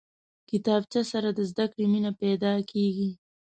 کتابچه سره د زده کړې مینه پیدا کېږي